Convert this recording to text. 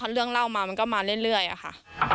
เรื่องเล่ามามันก็มาเรื่อยอะค่ะ